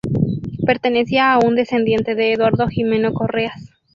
Pertenecía a un descendiente de Eduardo Jimeno Correas.